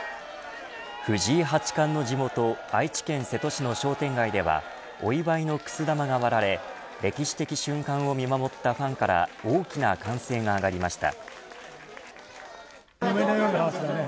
藤井８冠の地元愛知県瀬戸市の商店街ではお祝いのくす玉が割られ歴史的瞬間を見守ったファンから大きな歓声が上がりました。